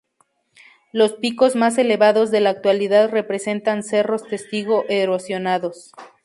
Los picos más elevados de la actualidad representan cerros testigo erosionados.